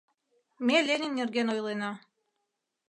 — Ме Ленин нерген ойлена.